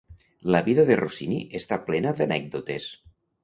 La vida de Rossini està plena d'anècdotes.